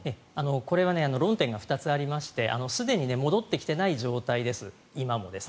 これは論点が２つありましてすでに戻ってきていない状態です、今も。